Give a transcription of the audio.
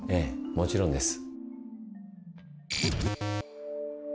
もちろんです。